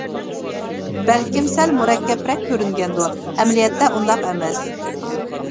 بەلكىم سەل مۇرەككەپرەك كۆرۈنگەندۇ؟ ئەمەلىيەتتە ئۇنداق ئەمەس.